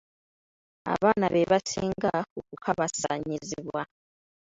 Abaana be basinga okukabassanyizibwa.